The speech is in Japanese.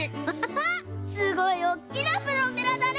すごいおっきなプロペラだね！